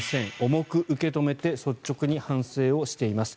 重く受け止めて率直に反省をしております